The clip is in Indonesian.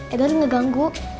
edor gak ganggu